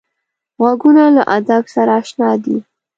غوږونه له ادب سره اشنا دي